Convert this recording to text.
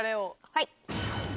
はい。